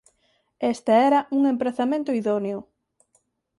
Este era un emprazamento idóneo.